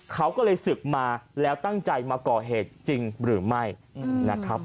เขาก็เลยศึกมาแล้วตั้งใจมาก่อเหตุจริงหรือไม่นะครับ